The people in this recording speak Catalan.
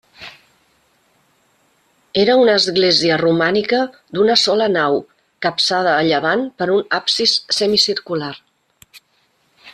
Era una església romànica d'una sola nau, capçada a llevant per un absis semicircular.